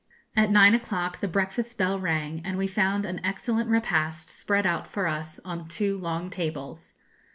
At nine o'clock the breakfast bell rang, and we found an excellent repast spread out for us on two long tables.